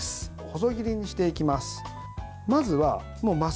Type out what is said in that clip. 細切りにしていきます。